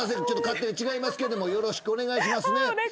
ちょっと勝手が違いますけどもよろしくお願いしますね。